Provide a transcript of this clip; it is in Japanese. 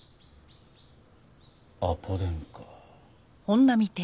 アポ電か。